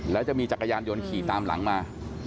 แล้วจะมีจักรยานยนต์ขี่ตามหลังมา